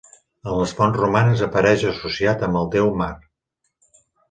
En les fonts romanes apareix associat amb el déu Mart.